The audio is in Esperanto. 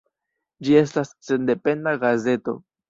Ĝi estas sendependa gazeto.